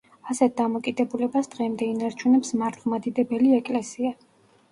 ასეთ დამოკიდებულებას დღემდე ინარჩუნებს მართლმადიდებელი ეკლესია.